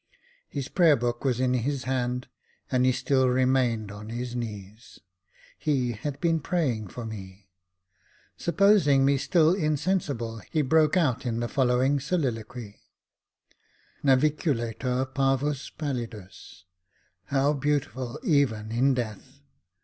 His prayer book was in his hand, and he still remained on his knees. He had been praying for me. Supposing me still insensible, he broke out in the following soliloquy :—Naviculator parvus pallidus — how beautiful even in death